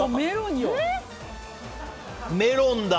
メロンだ！